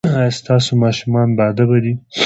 ایا ستاسو ماشومان باادبه دي؟